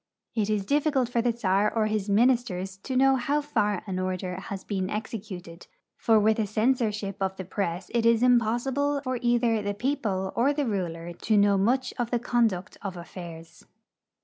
It is difficult for the czar or his ministers to know how far an order has been executed, for with a censorship of the press it is impossible for either the people or the ruler to know much of the conduct of affairs.